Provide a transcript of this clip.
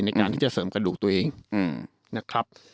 ในการที่จะเสริมกระดูกตัวเอง